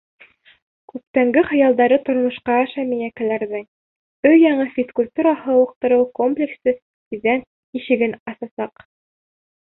Күптәнге хыялдары тормошҡа аша миәкәләрҙең — өр-яңы физкультура-һауыҡтырыу комплексы тиҙҙән ишеген асасаҡ.